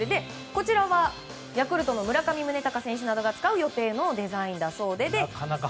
こちらはヤクルトの村上宗隆選手が使う予定のデザインだそうです。